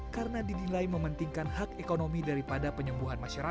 karena didilai mementingkan hak ekonomi daripada penyembuhan masyarakat